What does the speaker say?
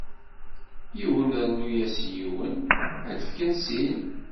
Yiwen rnu-as yiwen ad d-fken sin.